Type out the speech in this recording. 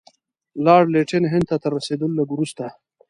لارډ لیټن هند ته تر رسېدلو لږ وروسته.